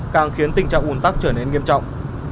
càng khiến tình trạng ủn tắc trở nên nghiêm trọng